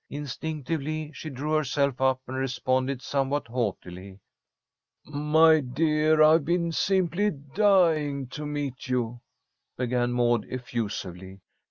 Instinctively she drew herself up and responded somewhat haughtily. "My dear, I've been simply dying to meet you," began Maud, effusively.